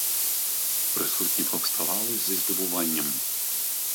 Присутні повставали зі здивування.